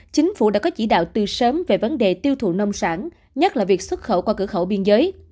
chính phủ đã có chỉ đạo từ sớm về vấn đề tiêu thụ nông sản nhất là việc xuất khẩu qua cửa khẩu biên giới